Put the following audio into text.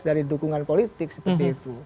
dari dukungan politik seperti itu